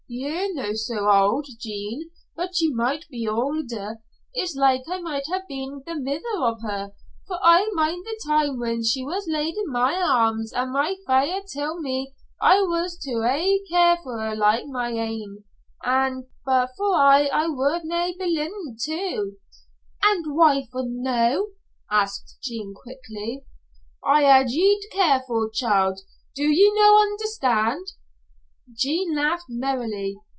"Ye're no so auld, Jean, but ye might be aulder. It's like I might have been the mither of her, for I mind the time when she was laid in my arms and my feyther tell't me I was to aye care for her like my ain, an' but for her I would na' be livin' noo." "And why for no?" asked Jean, quickly. "I had ye to care for, child. Do ye no' understand?" Jean laughed merrily.